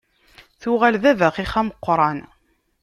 Tuɣal d abaxix ameqqran.